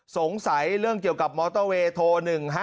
สงสัยเรื่องเกี่ยวกับมอเตอร์เวย์โทร๑๕๗